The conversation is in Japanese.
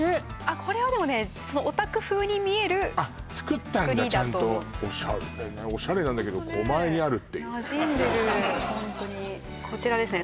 これはでもねお宅風に見えるあっつくったんだちゃんとつくりだと思うオシャレなんだけど狛江にあるっていうねなじんでるホントにこちらですね